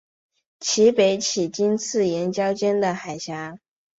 其北起荆棘岩礁间的海峡。